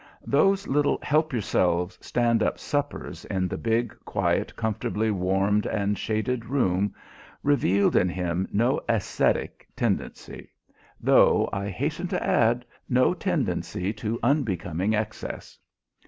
Those little "help yourselves," stand up suppers in the big, quiet, comfortably warmed and shaded room revealed in him no ascetic tendency, though, I hasten to add, no tendency to unbecoming excess.